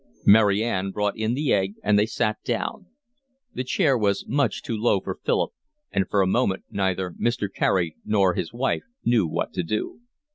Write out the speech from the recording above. Mary Ann brought in the egg, and they sat down. The chair was much too low for Philip, and for a moment neither Mr. Carey nor his wife knew what to do.